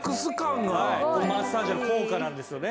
マッサージの効果なんですよね。